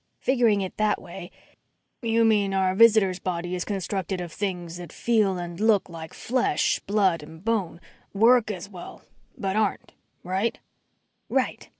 Figuring it that way " "You mean our visitor's body is constructed of things that feel and look like flesh, blood and bone work as well, but aren't. Right?" "Right.